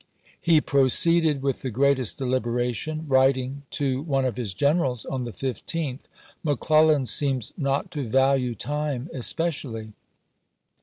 He pro ceeded with the greatest deliberation, writing to one of his generals on the 15th, " McClellan seems not to value time especially."